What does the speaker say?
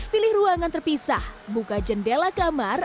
pilih ruangan terpisah buka jendela kamar